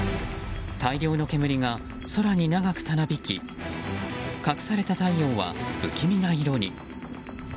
大量の煙が空に長くたなびき隠された太陽は、不気味な色に。